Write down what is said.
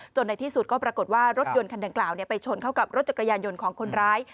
ในที่สุดก็ปรากฏว่ารถยนต์คันดังกล่าวไปชนเข้ากับรถจักรยานยนต์ของคนร้าย